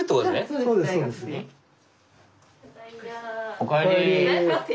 おかえり。